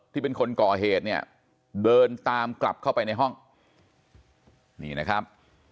เป็นคนก่อเหตุเนี่ยเดินตามกลับเข้าไปในห้องนี่นะครับ